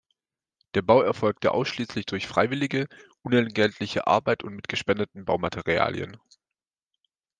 Der Bau erfolgte ausschließlich durch freiwillige, unentgeltliche Arbeit und mit gespendeten Baumaterialien.